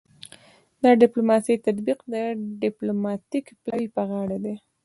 د ډیپلوماسي تطبیق د ډیپلوماتیک پلاوي په غاړه دی